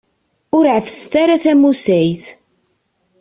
Ur ɛeffset ara tamusayt.